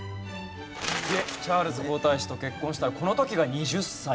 チャールズ皇太子と結婚したこの時が２０歳。